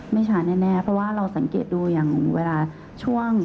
ไม่ช้าแน่เพราะว่าเราสังเกตดูอย่างเวลาช่วง